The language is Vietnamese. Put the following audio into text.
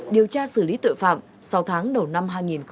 điều tra xử lý tội phạm sau tháng đầu năm hai nghìn hai mươi ba